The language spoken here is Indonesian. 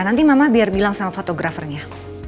nanti mama biar bilang sama fotografernya